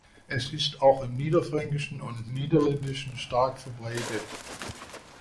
Es ist auch im Niederfränkischen und Niederländischen stark verbreitet.